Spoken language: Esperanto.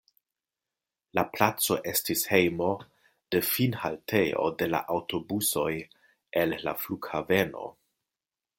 La placo estis hejmo de finhaltejo de la aŭtobusoj el la flughaveno.